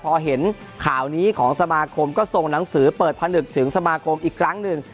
พอเห็นข่าวนี้ของสมาคมก็ส่งหนังสือเปิดผนึกถึงสมาคมอีกครั้งหนึ่ง